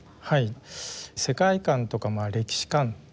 世界観とか歴史観ですね